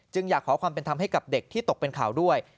อยากขอความเป็นธรรมให้กับเด็กที่ตกเป็นข่าวด้วย